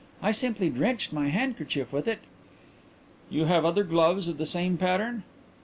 "I simply drenched my handkerchief with it." "You have other gloves of the same pattern?"